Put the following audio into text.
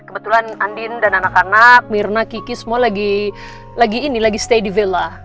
kebetulan andin dan anak anak mirna kiki semua lagi stay di villa